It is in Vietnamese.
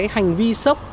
hành vi sốc